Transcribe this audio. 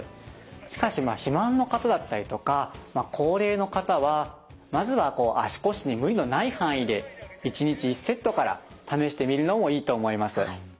しかし肥満の方だったりとか高齢の方はまずは足腰に無理のない範囲で１日１セットから試してみるのもいいと思います。